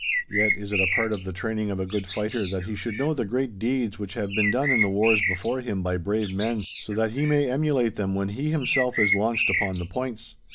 Yet is it a part of the training of a good fighter, that he should know the great deeds which have been done in the wars before him by brave men, so that he may emulate them when he himself is launched upon the points.